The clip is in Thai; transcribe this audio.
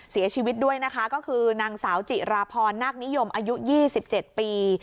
เสียชีวิตด้วยนะคะก็คือนางสาวจิราพรนักนิยมอายุยี่สิบเจ็ดปี